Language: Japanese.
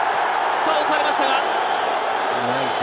倒されましたが。